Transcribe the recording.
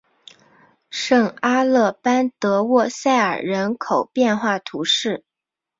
圣阿勒班德沃塞尔人口变化图示